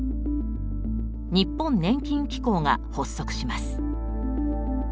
日本年金機構が発足します。